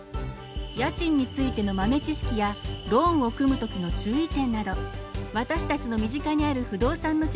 家賃についての豆知識やローンを組む時の注意点など私たちの身近にある不動産の知識が満載です。